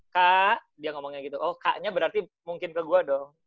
kak dia ngomongnya gitu oh kak nya berarti mungkin ke gue dong